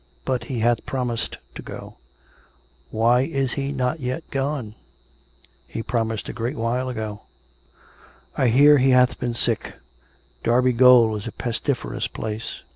But he hath promised to go "" Why is he not yet gone .'' He promised a great while ago." " I hear he hath been sick. Derby gaol is a pestiferous place.